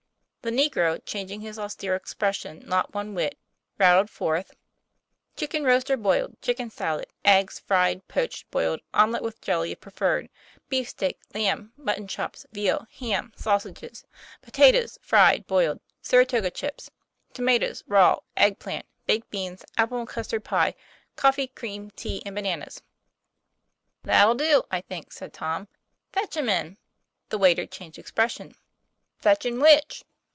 The negro, changing his austere expression not one whit, rattled forth 'Chicken roast or boiled, chicken salad; eggs fried, poached, boiled, omelette with jelly if preferred ; beefsteak, lamb, mutton chops, veal, ham, sausages; potatoes, fried, boiled, Saratoga chips; tomatoes raw, egg plant, baked beans, apple and custard pie, coffee, cream, tea, and bananas." "That'll do, I think," said Tom: "fetch 'em in." TOM PLA YFAIR. 129 The waiter changed expression. " Fetch in which